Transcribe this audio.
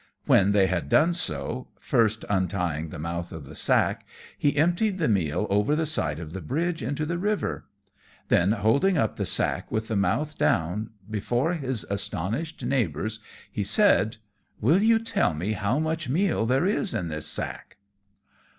When they had done so, first untying the mouth of the sack, he emptied the meal over the side of the bridge into the river. Then, holding up the sack with the mouth down, before his astonished neighbours, he said, "Will you tell me how much meal there is in this sack?"